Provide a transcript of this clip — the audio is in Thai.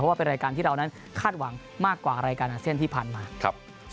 ว่าเป็นรายการที่เรานั้นคาดหวังมากกว่ารายการอาเซียนที่ผ่านมาครับ